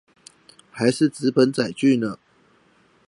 還是紙本載具呢